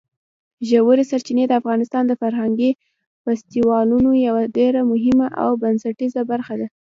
ژورې سرچینې د افغانستان د فرهنګي فستیوالونو یوه ډېره مهمه او بنسټیزه برخه ده.